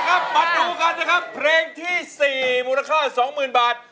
นะครับมาดูก่อนนะคะเพลงที่ที่๔มูลค่า๒๐๐๐๐บาท